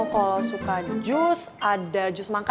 kalo suka jus ada jus mangga